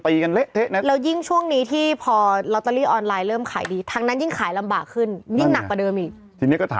บ๊วยบ๊วยบ๊วยบ๊วยบ๊วยบ๊วยบ๊วยบ๊วยบ๊วยบ๊วยบ๊วยบ๊วยบ๊วย